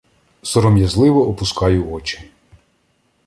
Сором'язливо опускаю очі.